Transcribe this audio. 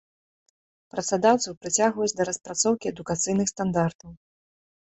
Працадаўцаў прыцягваюць да распрацоўкі адукацыйных стандартаў.